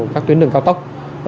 các tuyến đường cao tốc